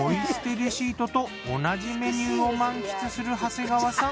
レシートと同じメニューを満喫する長谷川さん。